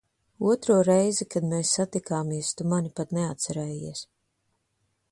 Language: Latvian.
Otro reizi, kad mēs satikāmies, tu mani pat neatcerējies.